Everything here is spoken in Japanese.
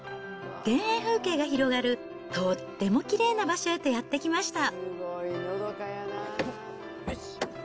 田園風景が広がる、とってもきれいな場所へとやって来ました。